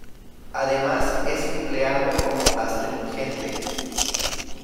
Además, es empleado como astringente.